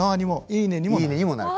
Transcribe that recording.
「いいね」にもなる。